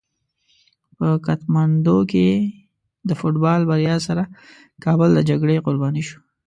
په کتمندو کې د فوټبال بریا سره کابل د جګړې قرباني شو.